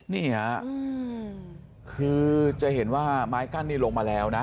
นี่ค่ะคือจะเห็นว่าไม้กั้นนี่ลงมาแล้วนะ